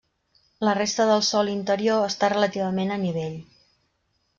La resta del sòl interior està relativament a nivell.